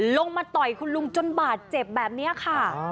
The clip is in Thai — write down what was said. มาต่อยคุณลุงจนบาดเจ็บแบบนี้ค่ะ